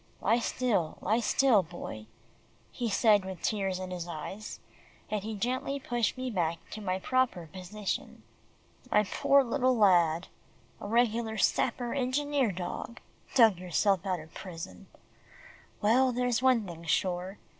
"Lie still, lie still, Boy," he said with tears in his eyes, and he gently pushed me back to my proper position. "My poor little lad a regular sapper, engineer dog dug yourself out of prison. Well, there's one thing sure.